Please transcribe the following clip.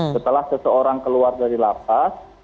setelah seseorang keluar dari lapas